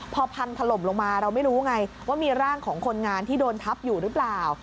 พอพังถล่มลงมาเราไม่รู้ไงว่ามีร่างของคนงานที่โดนทับอยู่หรือเปล่า